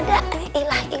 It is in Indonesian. bocah ngapasih ya